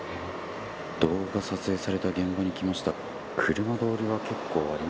動画撮影された現場に来ました